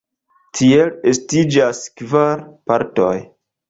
Tiel estiĝas kvar partoj.